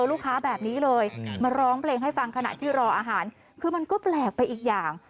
ลูกค้าแบบนี้เลยมาร้องเพลงให้ฟังขณะที่รออาหารคือมันก็แปลกไปอีกอย่าง